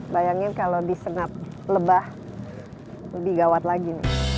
bayangin kalau diserap lebah lebih gawat lagi